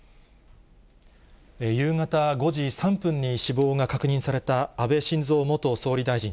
夕方５時３分に死亡が確認された安倍晋三元総理大臣。